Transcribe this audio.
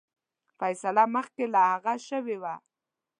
فیصله مخکي له هغه شوې وه.